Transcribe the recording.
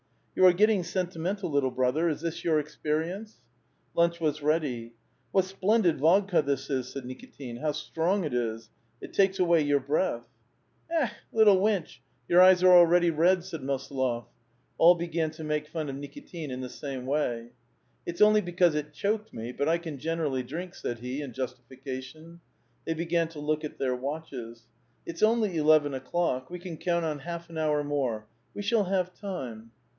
" You are getting sentimental, little brother. Is this your experience ?" Lunch was ready. " What splendid vodJca this is," said Nikitin ;" how strong it is ! It takes away your breath." 456 A VITAL QUESTION. ^^Ekhl little wincb! your e3'e8 are already red," said Mosplof. All began to make fdn of Nlkitin in the same way. •"'It's only because it choked me, but I can generally drink," said he, in justification. They began to look at their watches. *' It's only eleven o'clock; we can count on half an hour more ; we shall have time."